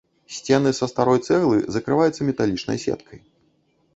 Сцены са старой цэглы закрываюцца металічнай сеткай.